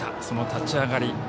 その立ち上がり。